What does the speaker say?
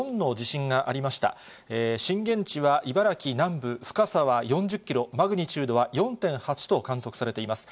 震源地は茨城南部、深さは４０キロ、マグニチュードは４．８と観測されています。